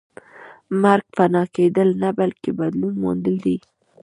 مرګ فنا کېدل نه بلکې بدلون موندل دي